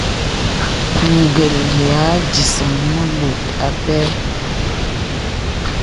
Gə̀l ya dìsaŋ nə bòt a pɛ.